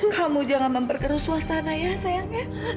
kamu jangan memperkeruh suasana ya sayangnya